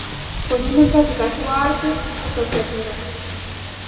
Poñendo en práctica a súa arte asociativa.